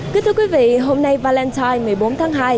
quý thưa quý vị hôm nay valentine s một mươi bốn tháng hai